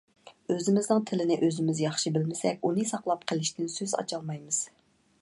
ئۆزىمىزنىڭ تىلىنى ئۆزىمىز ياخشى بىلمىسەك، ئۇنى ساقلاپ قېلىشتىن سۆز ئاچالمايمىز.